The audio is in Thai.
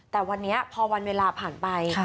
แต่วันนี้พอวันเวลาผ่านไป